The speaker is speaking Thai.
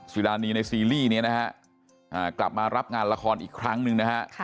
รานีในซีรีส์นี้นะฮะกลับมารับงานละครอีกครั้งหนึ่งนะฮะ